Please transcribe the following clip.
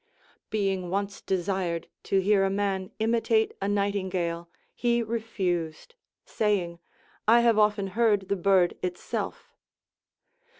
Be ing once desired to hear a man imitate a nightingale, he refused, saying, I have often heard the bird itself.